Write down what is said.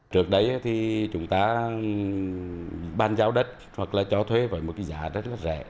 trước đấy thì chúng ta ban giao đất hoặc là cho thuê với một cái giá rất là rẻ